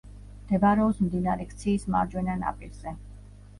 მდებარეობს მდინარე ქციის მარჯვენა ნაპირზე.